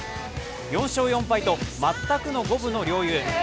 ４勝４敗と全くの五分の両雄。